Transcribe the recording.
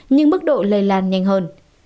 nhưng mức độ lây lan nhanh hơn